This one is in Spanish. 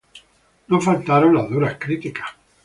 No faltaron las duras críticas.